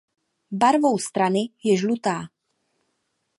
Barvou strany je žlutá.